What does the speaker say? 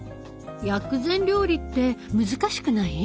薬膳料理って難しくない？